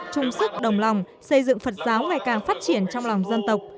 chung sức đồng lòng xây dựng phật giáo ngày càng phát triển trong lòng dân tộc